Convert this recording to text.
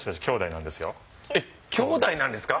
きょうだいなんですか？